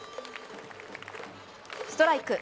ストライク。